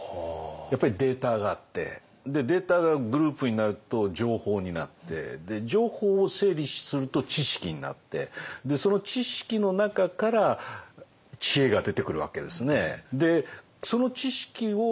やっぱりデータがあってデータがグループになると情報になって情報を整理すると知識になってその知識の中から知恵が出てくるわけですね。